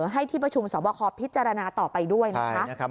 ให้ที่ประชุมสอบคอพิจารณาต่อไปด้วยนะคะ